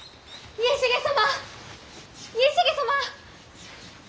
家重様。